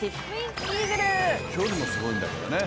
距離もすごいんだからね。